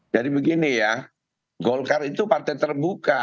begini ya golkar itu partai terbuka